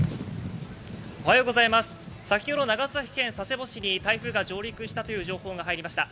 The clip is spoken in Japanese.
先ほど長崎県佐世保市に台風が上陸したという情報が入りました。